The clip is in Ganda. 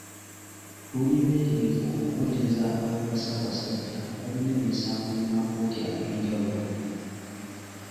Tuli beetegefu okuweereza abantu ba Ssaabasajja abalina emisango mu makooti ag'enjewulo.